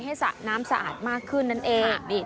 สะน้ำสะอาดมากขึ้นนั่นเอง